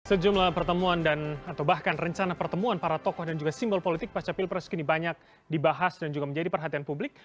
sejumlah pertemuan dan atau bahkan rencana pertemuan para tokoh dan juga simbol politik pasca pilpres kini banyak dibahas dan juga menjadi perhatian publik